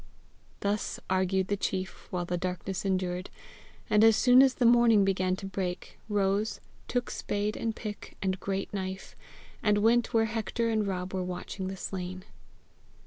Thus argued the chief while the darkness endured and as soon as the morning began to break, rose, took spade and pick and great knife, and went where Hector and Rob were watching the slain.